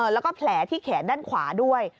แล้วก็แผลที่แขนด้านขวาด้วย